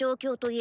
え？